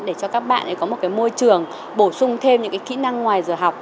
để cho các bạn ấy có một cái môi trường bổ sung thêm những cái kỹ năng ngoài giờ học